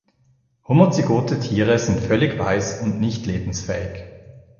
Homozygote Tiere sind völlig weiß und nicht lebensfähig.